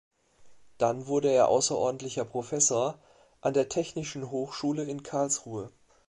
Dann wurde er außerordentlicher Professor an der Technischen Hochschule in Karlsruhe.